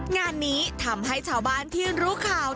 งานนี้ทำให้ชาวบ้านที่รู้ข่าว